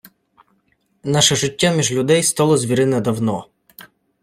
Наше життя між людей стало звірине давно.